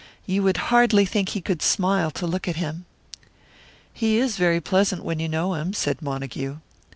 You would hardly think he could smile, to look at him." "He is very pleasant, when you know him," said Montague.